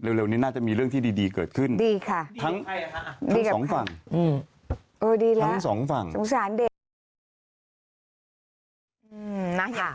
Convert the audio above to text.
เร็วนี้น่าจะมีเรื่องที่ดีเกิดขึ้นดีค่ะ